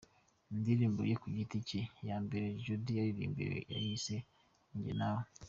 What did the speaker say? Indirimbo ye ku giti cye ya mbere Jody yaririmbye yayise Ni njye nawe.